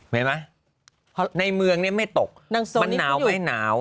เห็นไหมในเมืองเนี่ยไม่ตกมันหนาวไหมหนาว